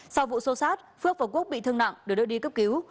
sau vụ xô sát phước và quốc bị thương nặng được đưa đi cấp cứu